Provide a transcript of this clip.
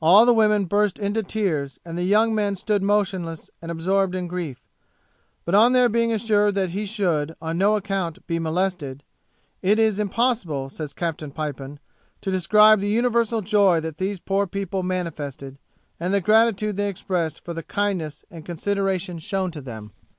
All the women burst into tears, and the young men stood motionless and absorbed in grief; but on their being assured that he should, on no account, be molested, 'it is impossible,' says Captain Pipon, 'to describe the universal joy that these poor people manifested, and the gratitude they expressed for the kindness and consideration shown to them.'